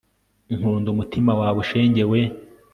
nkunda umutima wawe shenge we